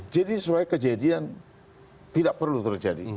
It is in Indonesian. jadi soalnya kejadian tidak perlu terjadi